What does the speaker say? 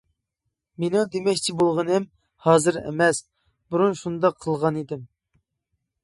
مېنىڭ دېمەكچى بولغىنىم، ھازىر ئەمەس، بۇرۇن شۇنداق قىلغانىدىم.